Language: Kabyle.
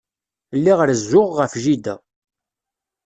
Lliɣ rezzuɣ ɣef jida.